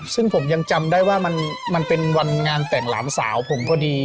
ซึ่งผมยังจำได้ว่ามันเป็นวันงานแต่งหลานสาวผมพอดี